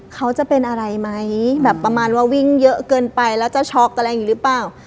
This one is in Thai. เขาจะเป็นอะไรไหมแบบประมาณว่าวิ่งเยอะเกินไปแล้วจะช็อกอะไรอย่างนี้หรือเปล่า